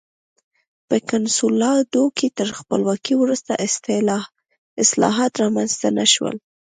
په کنسولاډو کې تر خپلواکۍ وروسته اصلاحات رامنځته نه شول.